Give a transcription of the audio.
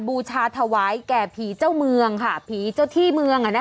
บูชาถวายแก่ผีเจ้าเมืองค่ะผีเจ้าที่เมือง